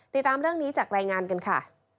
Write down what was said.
ติดตามเรื่องนี้จากรายงานกันค่ะ